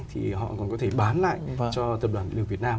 thì họ còn có thể bán lại cho cập đoàn địa lực việt nam